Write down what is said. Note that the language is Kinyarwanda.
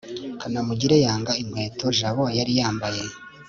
kanamugire yangaga inkweto jabo yari yambaye